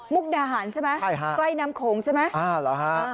มุกดาหาใช่ไหมใกล้น้ำโขงใช่ไหมอ่าเหรอฮะ